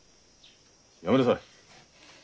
やめなさい。